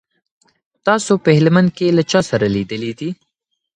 تاسو په هلمند کي له چا سره لیدلي دي؟